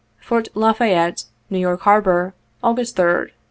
"Fort La Fayette, New York Harbor, August 3d, 1861."